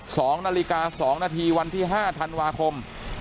สองนาฬิกาสองนาทีวันที่ห้าธันวาคม